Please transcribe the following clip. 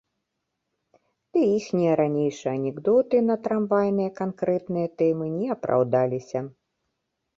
Ды іхнія ранейшыя анекдоты на трамвайныя канкрэтныя тэмы не апраўдаліся.